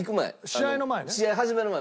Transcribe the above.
試合始まる前